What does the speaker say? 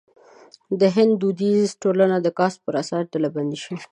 د هند دودیزه ټولنه د کاسټ پر اساس ډلبندي شوې.